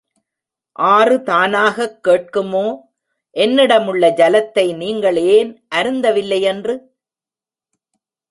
ஆறு தானாகக் கேட்குமோ, என்னிடமுள்ள ஜலத்தை நீங்கள் ஏன் அருந்தவில்லையென்று?